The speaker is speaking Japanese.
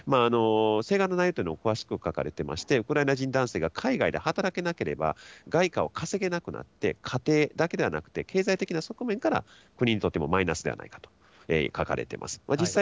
請願の内容というのは詳しく書かれていまして、ウクライナ人男性が海外で働けなければ、外貨を稼げなくなって、かていだけではなくて、経済的な側面から国にとってもマイナスであると書かれてます。